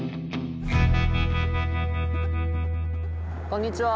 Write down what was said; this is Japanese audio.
こんにちは。